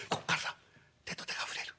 指と指が触れる。